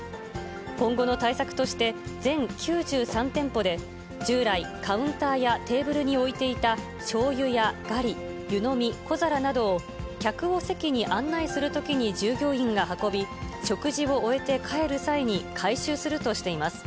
今後の対策として、全９３店舗で、従来、カウンターやテーブルに置いていたしょうゆやガリ、湯のみ、小皿などを、客を席に案内するときに従業員が運び、食事を終えて帰る際に、回収するとしています。